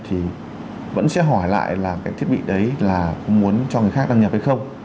thì vẫn sẽ hỏi lại là cái thiết bị đấy là có muốn cho người khác đăng nhập hay không